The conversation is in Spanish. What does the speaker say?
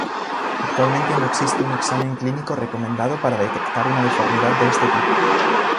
Actualmente no existe un examen clínico recomendado para detectar una deformidad de este tipo.